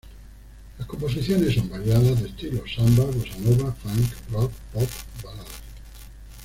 Las composiciones son variadas en estilos: samba, bossa nova, funk, rock, pop, baladas.